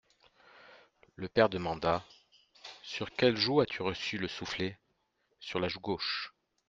Le père demanda :, Sur quelle joue as-tu reçu le soufflet ? Sur la joue gauche.